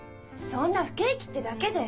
そんな不景気ってだけで。